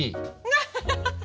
アハハハハ！